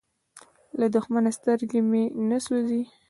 له دښمنه سترګه مې نه سوزي.